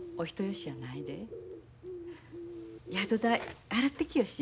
宿代払ってきよし。